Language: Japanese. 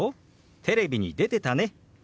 「テレビに出てたね」。